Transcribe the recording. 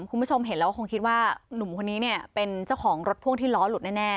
คุณผู้ชมเห็นแล้วคงคิดว่าหนุ่มคนนี้เนี่ยเป็นเจ้าของรถพ่วงที่ล้อหลุดแน่